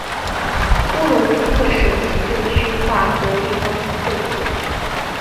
波罗兹克省行政区划和地方政府。